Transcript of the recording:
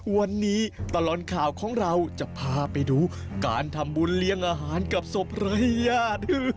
วันนี้ตลอดข่าวของเราจะพาไปดูการทำบุญเลี้ยงอาหารกับศพภรรยา